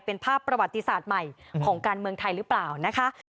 เป็นภาพประวัติศาสตร์ใหม่ของการเมืองไทยหรือเปล่านะคะ